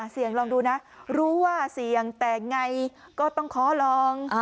เสี่ยงลองดูนะรู้ว่าเสี่ยงแต่ไงก็ต้องขอลอง